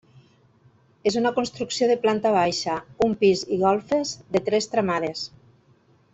És una construcció de planta baixa, un pis i golfes, de tres tramades.